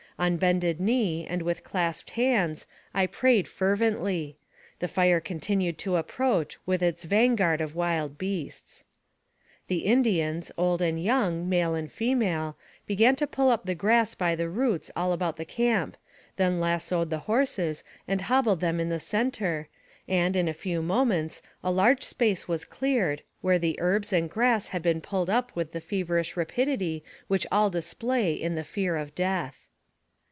On bended knee, and with clasped hands, I prayed fervently. The fire continued to approach, with its vanguard of wild beasts. The Indians, old and young, male and female, be gan to pull up the grass by the roots all about the camp, then lassoed the horses and hobbled them in the center, and, in a few moments, a large space was cleared, where the herbs and grass had been pulled up with the feverish rapidity which all display in the fear of death.